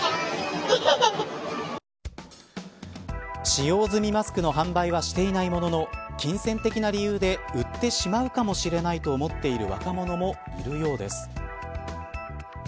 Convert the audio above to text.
使用済みマスクの販売はしていないものの金銭的な理由で売ってしまうかもしれないと思っている若者もいるようです。